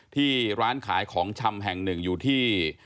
ที่ร้านขายของชำแห่งหนึ่งอยู่ที่